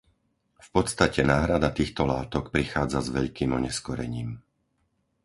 V podstate náhrada týchto látok prichádza s veľkým oneskorením.